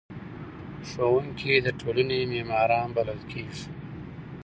ښوونکي د ټولنې معماران بلل کیږي.